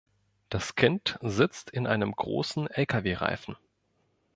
Das Kind sitzt in einem großen Lkw-Reifen